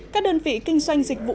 các đơn vị kinh doanh dịch vụ